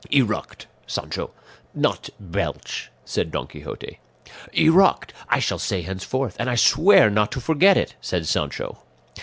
"Eruct, Sancho, not belch," said Don Quixote. "Eruct, I shall say henceforth, and I swear not to forget it," said Sancho.